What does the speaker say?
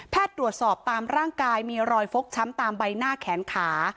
ตรวจสอบตามร่างกายมีรอยฟกช้ำตามใบหน้าแขนขา